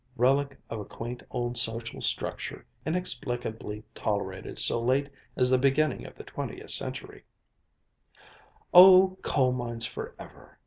"Relic of a quaint old social structure inexplicably tolerated so late as the beginning of the twentieth century," "Oh, coal mines forever!"